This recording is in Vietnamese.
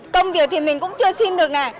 công việc thì mình cũng chưa xin được nè